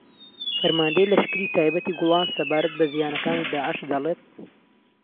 ەرماندەی لەشکری تایبەتی گوڵان سەبارەت بە زیانەکانی داعش دەڵێت